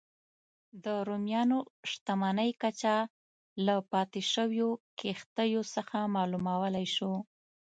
د رومیانو شتمنۍ کچه له پاتې شویو کښتیو څخه معلومولای شو